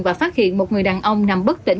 và phát hiện một người đàn ông nằm bất tỉnh